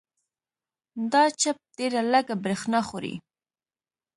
دا چپ ډېره لږه برېښنا خوري.